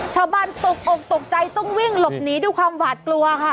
ตกอกตกใจต้องวิ่งหลบหนีด้วยความหวาดกลัวค่ะ